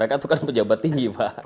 mereka itu kan pejabat tinggi pak